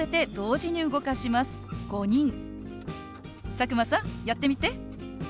佐久間さんやってみて。